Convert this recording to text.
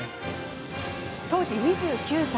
当時２９歳。